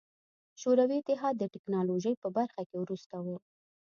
شوروي اتحاد د ټکنالوژۍ په برخه کې وروسته و.